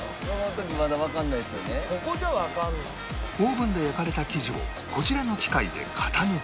オーブンで焼かれた生地をこちらの機械で型抜き